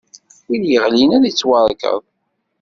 Win iɣlin ad ittwarkeḍ.